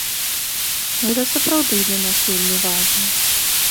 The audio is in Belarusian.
Гэта сапраўды для нас вельмі важна.